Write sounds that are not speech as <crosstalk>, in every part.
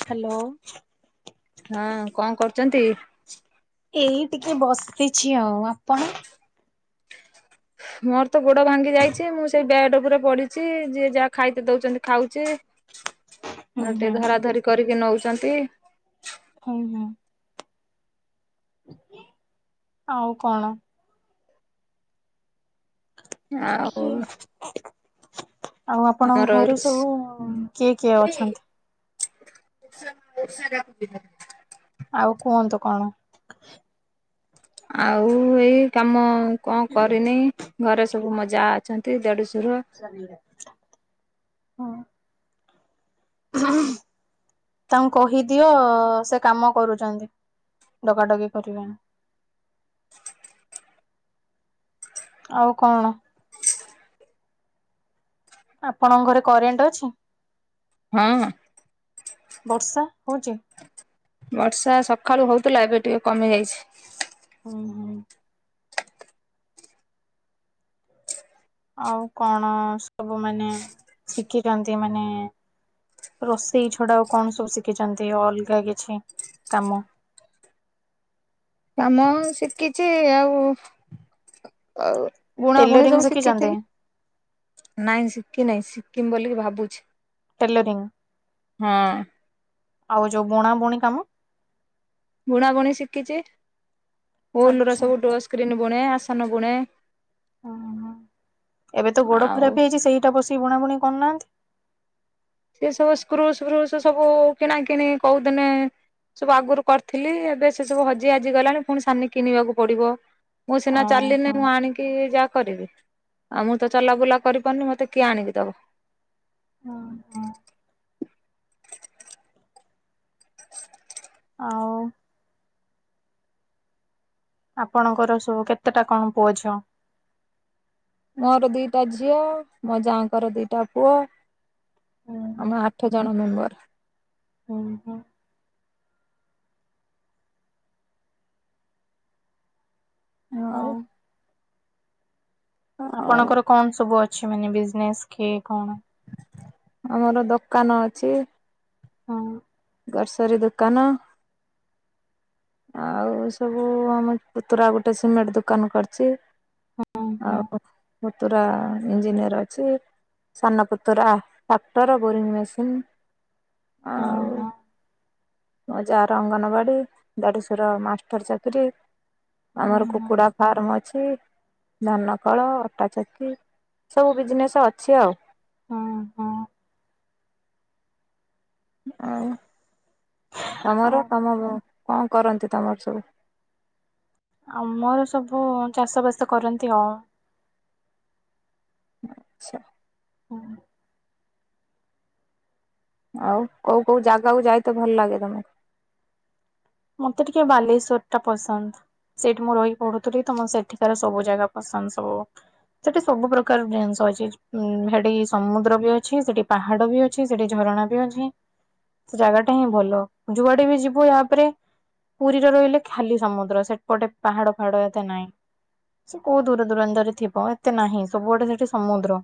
Hello. ହଁ କଣ କରୁଛନ୍ତି? ଏଇ ଟିକେ ବସିଛି ଆଉ ଆପଣ? ମୋର ତ ଗୋଡ ଭାଙ୍ଗି ଯାଇଚି ମୁଁ ସେଇ ବ୍ୟାଡ ଉପରେ ପଡିଛି ଯିଏ ଯାହା ଖାଇ ଦଉଛନ୍ତି ଖାଉଚି। ହୁଁ ଆଉ ଟିକେ ହୁଁ ଧରା ଧରି କରିକି ନଉଚନ୍ତି। ହୁଁ ନା ଆଉ କଣ? ଆଉ ଆଉ ଆମର ଆପଣଙ୍କ ଘରେ ସବୁ କିଏ କିଏ ଅଛନ୍ତି? <inaudible> ଆଉ କୁହନ୍ତୁ କଣ? ଆଉ ଏଇ କାମ କଣ କରିନି? ଘରେ ସବୁ ମୋ ଜା ଅଛନ୍ତି ଦେଢଶୁର <inaudible> ହଁ। ତାଙ୍କୁ କହିଦିଅ ସେ କାମ କରୁଚନ୍ତି ଡକାଡକି କରିବା। ଆଉ କଣ? ଆପଣଙ୍କ ଘରେ କରେଣ୍ଟ ଅଛି ହଁ ବର୍ଷା ହଉଚି? ବର୍ଷା ସକାଳୁ ହଉଥିଲା ଏବେ ଟିକେ କମି ଯାଇଛି। ଉହୁଁ ହୁଁ ଆଉ କଣ ସବୁ ମାନେ ଶିଖିଚନ୍ତି ମାନେ ରୋଷେଇ ଛଡା ଆଉ କଣ ସବୁ ଶିଖିଛନ୍ତି ଅଲଗା କିଛି କାମ? କାମ ଶିଖିଚି ଆଉ ଆଉ ବୁଣା ବୁଣି ଟେଲରିଂ ସବୁ ଶିଖିଛନ୍ତି? ଶିଖିଥିଲି ନାଇଁ ଶିଖି ନାହିଁ ଶିଖିମି ବୋଲି ଭାବୁଛି। ଟେଲେରିଙ୍ଗ୍ ହଁ ଆଉ ଯୋଉ ବୁଣା ବୁଣି କାମ? ବୁଣାବୁଣି ଶିଖିଚି ଉଲୁର ଆଚ୍ଛା ସବୁ ଡୋନ୍ ସ୍କ୍ରିନ୍ ବୁଣେ ଆସନ ବୁଣେ। ଅ ହଁ ଏବେ ତ ଗୋଡ ଆଉ ଖରାପ ହେଇଚି ସେଇଟା ବସିକି ବୁଣାବୁଣି କରୁନାହାନ୍ତି? ସେ ସବୁ ସ୍କ୍ରୁ ସ୍ ଫୁସ୍ ସବୁ କିଣା କିଣି କୋଉଦିନେ ସବୁ ଆଗରୁ କରିଥିଲି ଏବେ ସେ ସବୁ ହଜି ହାଜିଗଲାଣି ପୁଣି ସାନି କିଣିବାକୁ ପଡିବ। ମୁଁ ସିନା ଚାଲିନେ ଓହୋ ମୁଁ ଆଣିକି କି ଯାହା କରିବି ଆଉ ମୁଁ ତ ଚଲାବୁଲା କରିପାରୁନି ମତେ କିଏ ଆଣିକି ଦବ? ହଁ। ଆଉ ଆପଣଙ୍କର ସବୁ କେତେଟା କଣ ପୁଅ ଝିଅ? ମୋର ଦିଟା ଝିଅ ମୋ ଯାଆଙ୍କର ଦିଟା ପୁଅ। ହୁଁ ଆମର ଆଠ ଜଣ ମେମ୍ବର। ଉହୁଁ। ଆଉ ଆଉ ଆପଣଙ୍କର କଣ ସବୁ ଅଛି ମାନେ ବିଜନେସ୍ କି କଣ? ଆମର ଦୋକାନ ଅଛି। ହଁ। ଗ୍ରସରୀ ଦୋକାନ ଆଉ ସବୁ ଆମ ପୁତୁରା ଗୋଟେ ସିମେଣ୍ଟ ଦୋକାନ କରିଚି। ହୁଁ ହୁଁ ଆଉ ପୁତୁରା ଇଞ୍ଜିନିୟର ଅଛି। ସାନପୁତୁରା ଟ୍ରାକ୍ଟର ବୋରିଂ ମେସିନ୍ ହୁଁ ଆଉ ହୁଁ ମୋ ଯା ର ଅଙ୍ଗନବାଡି ଦେଢଶୁର ମାଷ୍ଟର ଚାକିରି ହୁଁ ଆମର କୁକୁଡ଼ା ଫାର୍ମ ଅଛି। ଧାନକଳ ଅଟାଚକି ସବୁ ବିଜନେସ୍ ଅଛି ଆଉ ହୁଁ ହୁଁ ଆଉ ତମର ହୁଁ। ତମ କଣ କରନ୍ତି ତମର ସବୁ? ଆମର ସବୁ ଚାଷ ବାସ କରନ୍ତି ଆଉ ଆଛା। ହଁ। ଆଉ କୋଉ କୋଉ ଜାଗାକୁ ଯାଇତେ ଭଲ ଲାଗେ ତମକୁ? ମତେ ଟିକେ ବାଲେଶ୍ଵର ଟା ପସନ୍ଦ। ସେଠି ମୁଁ ରହିିକି ପଢୁଥିଲି ତ ସେଠିକାର ସବୁ ଜାଗା ପସନ୍ଦ ସବୁ। ସେଠି ସବୁ ପ୍ରକାର ଜିନିଷ ଅଛି ଉ ସେଠି ସମୁଦ୍ର ବି ଅଛି ସେଠି ପାହାଡ ବି ଅଛି। ସେଠି ଝରଣା ବି ଅଛି ସେ ଜାଗା ଟା ହିଁ ଭଲ ଯୁଆଡେବି ଯିବୁ ୟାପରେ ପୁରୀରେ ରହିଲେ ଖାଲି ସମୁଦ୍ର ସେଠପଟେ ପାହାଡ ଫାଡ ଏତେ ନାହିଁ। ସେ କୋଉ ଦୂର ଦୂରାନ୍ତରେ ଥିବ ଏତେ ନାହିଁ ସବୁ ଆଡେ ସେଠି ସମୁଦ୍ର।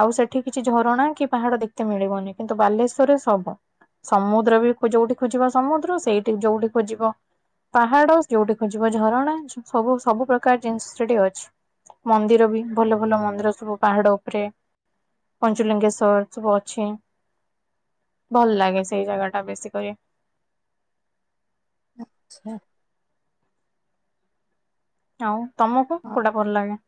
ଆଉ ସେଠି କିଛି ଝରଣା କି ପାହାଡ ଦେଖିତେ ମିଳିବନି କିନ୍ତୁ ବାଲେଶ୍ଵରରେ ସବ। ସମୁଦ୍ର ବି ଯୋଉଠି ଖୋଜିବ ସମୁଦ୍ର ସେଇଠି ଯୋଉଠି ଖୋଜିବ ପାହାଡ ଯୋଉଠି ଖୋଯିବ ଝରଣା ସବୁ ସବୁ ପ୍ରକାର ଜିନିଷ ସେଠି ଅଛି। ମନ୍ଦିର ବି ଭଲ ଭଲ ମନ୍ଦିର ସବୁ ପାହାଡ ଉପରେ ପଞ୍ଚୁଲିଙ୍ଗେଶ୍ଵର ସବୁ ଅଛି। ଭଲ ଲାଗେ ସେଇ ଜାଗା ଟା ବେଶୀ କରି। ଆଛା। ଆଉ ତମକୁ କୋଉଟା ଭଲ ଲାଗେ?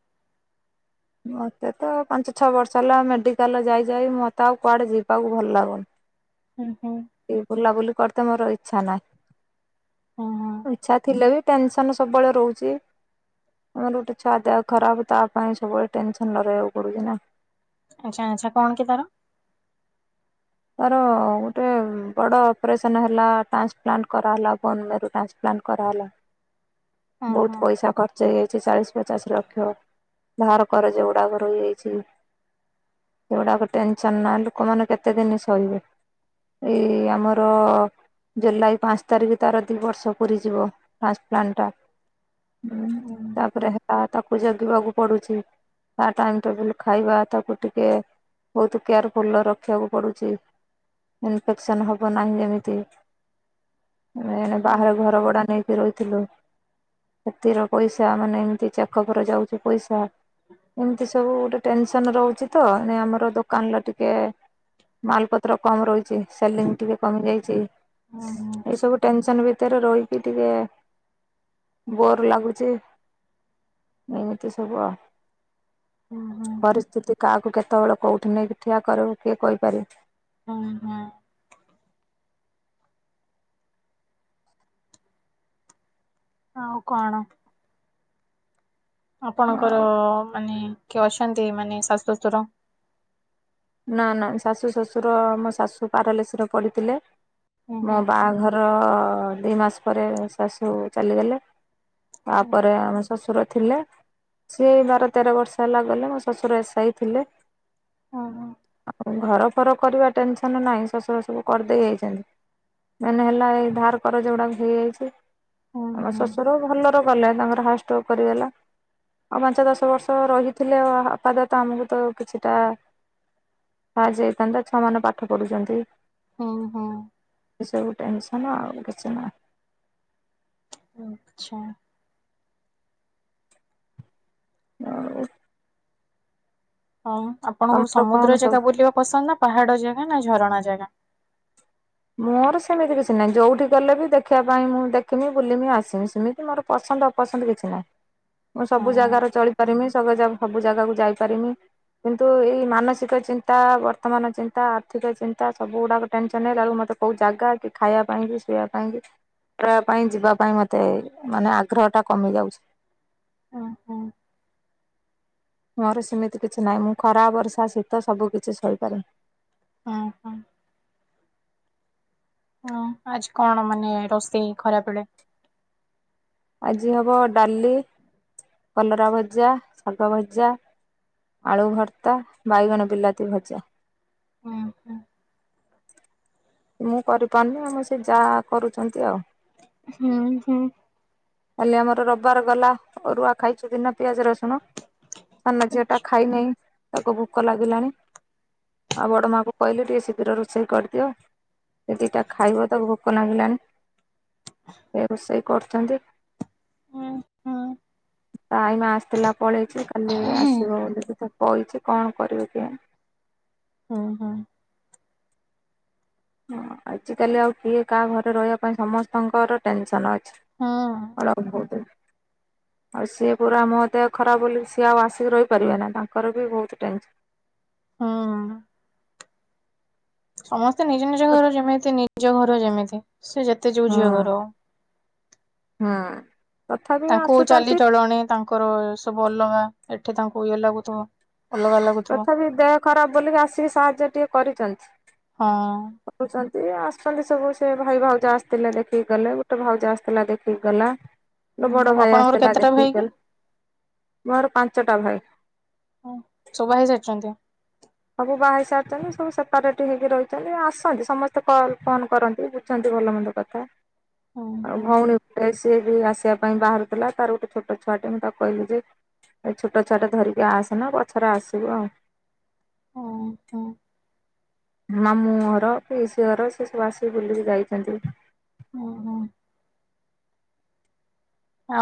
ମୋତେ ତ ପାଞ୍ଚ ଛଅ ବର୍ଷ ହେଲା ମେଡ଼ିକାଲ ଯାଇଯାଇ ମୋତେ ଆଉ କୁଆଡ଼େ ଯିବାକୁ ଭଲ ଲାଗୁନି। ହୁଁ ହୁଁ। ସେ ବୁଲାବୁଲି କରିତେ ମୋର ଇଛା ହୁଁ ହୁଁ ନାହିଁ ଇଛା ଥିଲେ ବି ଟେନସନ୍ ସବୁବେଳେ ରୁହୁଚି। ଆମର ଗୋଟେ ଛଆ ଦେହ ଖରାପ ତା ପାଇଁ ସବୁବେଳେ ଟେନସନ୍ ନ ରହିବାକୁ ପଡୁଛି ନା। ଆଛା ଆଛା କଣ କି ତାର? ତାର ଗୋଟେ ବଡ ଅପରେସନ୍ ହେଲା ଟ୍ରାନ୍ସପ୍ଲାଣ୍ଟ କରାହେଲା ବୋନ ମେରୁ ଟ୍ରାନ୍ସ୍ ପ୍ଲାନ୍ କରାହେଲା ହୁଁ ହୁଁ ବୋହୁତ ପଇସା ଖଚ ସେଇହୋଉଚି ଚାଳିଶି ପଚାଶ ଲକ୍ଷ ଧାହାର କରଜ ଗୁଡ଼ାକ ରହିଯାଇଚିକ। ସେଗୁଡାକ ଟେନସନ୍ ନା ଲୋକମାନେ କେତେଦିନ ଶହିବେ। ଏଇ ଆମର ଜୁଲାଇ ପାଞ୍ଚ ତାରିଖ ତାର ଦୁଇ ବର୍ଷ ପୁରୀଯିବ ଟ୍ରାନ୍ସପ୍ଲାଣ୍ଟଟା। ହୁଁ ତାପରେ ହେତା ହେତା ତାକୁ ଜଗିବାକୁ ପଡୁଛି। ତା ଟାଇମ୍ ଟେବୁଲ ଖାଇବା ତାକୁ ଟିକେ ବୋହୁତ କେୟାରଫୁଲ ରଖିବାକୁ ପଡୁଚି। ଇନଫେକ୍ସନ୍ ହବ ନାହିଁ ଯେମିତି। ଆମେ ଏଣେ ହୁଁ ବାହାରେ ଘର ଭଡା ନେଇକି ରହିଥିଲୁ। ସେଥିର ପଇସା ମାନେ ଏମିତି ଚେକପରେ ଯାଉଚି ପଇସା। ଏମିତି ସବୁ ଗୋଟେ ଟେନସନ୍ ରହୁଛି ତ ଏଣେ ଆମର ଦୋକାନରେ ଟିକେ ମାଲପତ୍ର କମ ରହିଚି ସେଲିଙ୍ଗ ଟିକେ କମି ଯାଇଚି ହୁଁ ଏ ସବୁ ଟେନସନ୍ ଟେନସନ୍ ଭିତରେ ରହି କି ଟିକେ ବୋର୍ ଲାଗୁଚ। ଏମିତି ସବୁ ଆ। ହୁଁ ହୁଁ ପରିସ୍ଥିତି କାହାକୁ କେତେବେଳେ କୋଉଠି ନେଇକି ଠିଆ କରେଇ କିଏ କହିପାରେ। ହଁ ହଁ। ଆଉ କଣ? ଆଉ ଆପଣଙ୍କର ମାନେ କିଏ ଅଛନ୍ତି ମାନେ ଶାଶ ଶଶୁର? ନା ନା ଶାଶୁ ଶ୍ୱଶୁର ମୋ ଶାଶୁ ପାରାଲସରେ ପଡିଥିଲେ ହୁଁ ମୋ ହୁଁ ବାହାଘର ଅ ଅ ଅ ଦି ମାସ ପରେ ଶାଶୁ ଚାଲିଗଲେ ହୁଁ ତାପରେ ଆମେ ସ ଶ୍ୱଶୁର ଥିଲେ ସିଏ ବାର ତେର ବର୍ଷ ହେଲା ଗଲେ ମୋ ଶ୍ୱଶୁର ଏସାଇ ଥିଲେ। ଓ ହ। ଆଉ ଘର ଫର କରିବା ଟେନସନ୍ ନାହିଁ ଶ୍ୱଶୁର ସବୁ କରିଦେଇ ଯାଇଛନ୍ତି। ମେନ୍ ହେଲା ଏଇ ଧାର କରଜ ଗୁଡାକ ହେଇଯାଇଛି ହୁଁ ଆମ ହୁଁ ଶ୍ୱଶୁର ଭଲ ର ‍ ଗଲା ତାଙ୍କର ହାଷ୍ଟ ଷ୍ଟୋକ କରିଗଲା। ଆଉ ପାଞ୍ଚ, ଦଶ ବର୍ଷ ରହିଥିଲେ, ଆପାଦାତ ଆମକୁ ତ କିଛିଟା ସାହାଯ୍ୟ ହେଇଥାନ୍ତା ଛୁଆ ମାନେ ପାଠ ପଢୁଛନ୍ତି। ହୁଁ ହଁ। ଏସବୁ ଟେନସନ୍ ଆଉ କିଛି ନୁହଁ। ଆଛା। ହଉ। ହଁ, ଆପଣଙ୍କୁ ତମର କଣ ସମୁଦ୍ର ସବୁ ଜାଗା ବୁଲିବା ପସନ୍ଦ ନା, ପାହାଡ ଜାଗା ନା, ଝରଣା ଜାଗା? ମୋର ସେମିତି କିଛି ନାହିଁ। ଯୋଉଠି ଗଲେ ବି ଦେଖିବା ପାଇଁ ମୁଁ ଦେଖମି, ବୁଲମି ଆସିମି ସେମିତି ମୋର ପସନ୍ଦ ଅପସନ୍ଦ କିଛି ନାହିଁ। ମୁଁ, ହଁ ସବୁ ଜାଗାରେ ଚଳିପାରିମି। ସ ସବୁ ଜାଗାକୁ ଯାଇପାରିମି। କିନ୍ତୁ ଏଇ ମାନସିକ ଚିନ୍ତା, ବର୍ତ୍ତମାନ ଚିନ୍ତା, ଆର୍ଥିକ ଚିନ୍ତା ସବୁ ଗୁଡାକ ଟେନସନ ହେଲା ବେଳକୁ ମତେ ତ କୋଉ ଜାଗା କି ଖାଇବା ପାଇଁ କି ସୋଇବା ପାଇଁ କି? ପାଇଁ, ଯିବା ପାଇଁ ମତେ ମାନେ ଆଗ୍ରହଟା କମି ଯାଉଛି। ଉଁ ହୁଁ ମୋର ସେମିତି କିଛି ନାହିଁ। ମୁଁ ଖରା, ବର୍ଷା, ଶୀତ ସବୁ କିିଛି ସହିପାରେ। ହଁ ହଁ। ହଁ, ଆଜି କଣ ମାନେ ରୋଷେଇ ଖରା ବେଳେ? ଆଜି ହବ ଡାଲି, କଲରା ଭଜା, ଶାଗ ଭଜା। ଆଳୁ ଭର୍ତ୍ତା, ବାଇଗଣ ବିଲାତି ଭଜା। ହୁଁ ହୁଁ ମୁଁ କରିପାରୁନି। ଆମର ସେ ଯା କରୁଛନ୍ତି ଆଉ ହୁଁ ହୁଁ। କାଲି ଆମର ରବବାର ଗଲା। ଅରୁଆ ଖାଇଛୁ ବିନା ପିଆଜ ରସୁଣ। ସାନ ଝିଅଟା ଖାଇନାଇ। ତାକୁ ଭୋକ ଲାଗିଲାଣି। ଆଉ ବଡ଼ ମାଆଙ୍କୁ କହିଲି ଟିକେ ଶୀଘ୍ର ରୋଷେଇ କରିଦିଅ। ସେ ଦିଟା ଖାଇବ ତାକୁ ଭୋକ ଲାଗିଲାନି। ସେ ରୋଷେଇ କରୁଛନ୍ତି। ହୁଁ ହୁଁ ତା ଆଇମା ଆସିଥିଲା ପଳେଇଛି। କାଲି ଆସିବ ବୋଲି କହିଛି। କଣ କରିବି କି ଜାଣି ହୁଁ ହୁଁ। ହଁ, ଆଜିକାଲି ଆଉ କିଏ କାହା ଘରେ ରହିବା ପାଇଁ ସମସ୍ତଙ୍କର ଟେନସନ୍ ଅଛି। ହୁଁ। ଆ <inaudible> ଆଉ ସିଏ ପୁରା ମୋ ଦେହ ଖରାପ ବୋଲି, ସିଏ ଆଉ ଆସିକି ରହିପାରିବେ ନା। ତାଙ୍କର ବି ବହୁତ ଟେନସନ। ହୁଁ ହୁଁ। ସମସ୍ତେ ନିଜ, ନିଜ ଘର ଯେମିତି। ନିଜ ଘର ଯେମିତି ସେ ଯେତେ ଯୋଉ ହୁଁ ଝିଅ ଘରହଉ। ହୁଁ। ତଥାପି ତାଙ୍କୁ ଚାଲି ଆସୁଛନ୍ତି ଚଳଣି ତାଙ୍କର ସବୁ ଅଲଗା। ଏଠି ତାଙ୍କୁ ଇଏ ଲାଗୁଥିବ। ଅଲଗା ଲାଗୁଥିବ ତଥାପି ଦେହ ଖରାପ ବୋଲିକି ଆସିକି ସାହାଯ୍ୟ ଟିକେ କରିଛନ୍ତି। ହଁ କରୁଛନ୍ତି, ଆସୁଛନ୍ତି। ସବୁ ସେ ଭାଇ ଭାଉଜ ଆସିଥିଲେ ଦେଖିକି ଗଲେ। ଗୋଟେ ଭାଉଜ ଆସିଥିଲା ଦେଖିକି ଗଲା। ହଁ <inaudible> ମୋ ବଡ ଭାଇ ଆସିଥିଲା ଦେଖିକି ଗଲା। ମୋର ପାଞ୍ଚଟା ଭାଇ। ହ ସବା ହେଇଯାଇଛନ୍ତି। ସବୁ ବାହା ହେଇ ସାରିଛନ୍ତି। ସବୁ ସେପାରେଟ୍ ହେଇକି ରହିଛନ୍ତି। ଆସନ୍ତି ସମସ୍ତେ କଲ ଫୋନ୍ କରନ୍ତି। ଛନ୍ତି ଭଲମନ୍ଦ କଥା। ଆଉ ଭଉଣୀ ଏ ସିଏ ବି ଆସିବା ପାଇଁ ବାହାରୁଥିଲା। ତାର ଗୋଟେ ଛୋଟ ଛୁଆଟି ମୁଁ ତାକୁ କହିଲି ଯେ ଏ ଛୋଟ ଛୋଟ ଧରିକି ଆସନା <unintelligible> ପଛରେ ଆସିବୁ ଆଉ। ଓଁ ହ <unintelligible> ମାାମୁଁ ଘର କି ସିଏ ଘର ସେ ସବୁ ଆସିକି ବୁଲିକି ଯାଇଛନ୍ତି। ଓ ହୋ।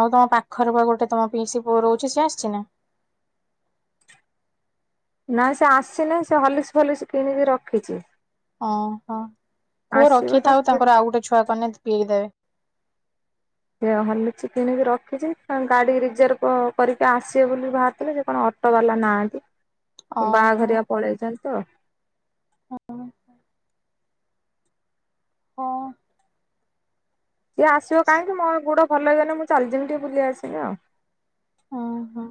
ଆଉ ତମ ପାଖରେ ବା ଗୋଟେ ତମ ପିଇସି ପୁଅ ରହୁଛି। ସିଏ ଆସିଛି ନା? ନାାଇଁ ସେ ଆସିନାହିଁ। ସେ ହଲସ ଭଲସ କିଣିକି ରଖିଛି। ଓ ହଁ କୁହ ଆସିବ ତା ରଖିଥାଉ। ତାଙ୍କର ସେ ଆଉ ଗୋଟେ ଛୁଆ କେ <unintelligible> ପିଇ ଦେବେ। ସେ ହର୍ଲିକସ୍ କିଣିକି ରଖିଛି ତାଙ୍କ ଗାଡି ରିଜର୍ଭ କରିକି ଆସିବେ ବୋଲି ବାହାରିଥିଲେ ସେ କଣ ଫଟୋ ବାଲା ନାହାନ୍ତି ଓହୋ। ବାହାଘରିଆ ପଳେଇଛନ୍ତି ତ ହଁ ସିଏ ଆସିବ କାହିଁକି ମୋ ଗୋଡ଼ ଭଲ ହେଇଗଲେ ମୁଁ ଚାଲିଯିବିି ଟିକେ ବୁଲି ଆସିବି ଆଉ ଓ ହୋ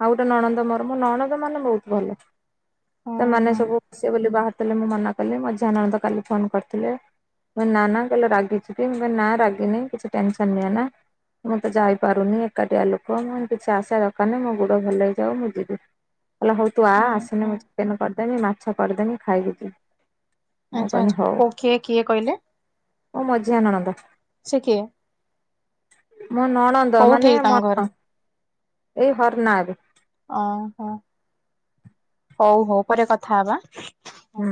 ଆଉ ଗୋଟେ ନଣନ୍ଦ ମୋର ମୋ ନଣନ୍ଦ ମାନେ ବହୁତ ଭଲ ଓ ହୋ ସେମାନେ ସବୁ ଆସିବେ ବୋଲି ବାହାରି ମୁଁ ମନା କଲି ମଝିଆ ନଣନ୍ଦ କାଲି ଫୋନ କରିଥିଲେ ନା ନା କହିଲେ ରାଗିଛୁ କିଁ ମୁଁ କହିଲି ନାଁ ରାଗିନି କିଛି ଟେନସନ ନିଅନା। ମୁଁ ତ ଯାଇପାରୁନି ଏକାଟିଆ ଲୋକ ମୁଁ କିଛି ଆସିବା ଦରକାର ନାହିଁ ମୁଁ ଗୋଟେ ଭଲ ହେଇଯାଉ ମୁଁ ଯିବି ହେଲେ ହଉ ତୁ ଆ ଓ ହୋ ଆସିଲେ ମୁଁ ଚିକେନ କରିଦେବି ମାଛ ମାଛ କରିଦେମି ଖାଇକି ଯିବୁ। ମୁଁ ଆଛା କହିଲି ଆଛା ହଉ କୋଉ କିଏ କିଏ କହିଲେ? ମୋ ମଝିଆ ନଣନ୍ଦ। ସେ କିଏ? ମୋ ନଣନ୍ଦ କୋଉଠି ମାନେ ତାଙ୍କ ମ ଘର ଏଇ ହର ନାରେ ଓ ହୋ ହଉ ହଉ ପରେ କଥା ହବା ହୁଁ।